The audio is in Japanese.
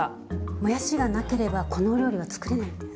もやしがなければこのお料理は作れないんです。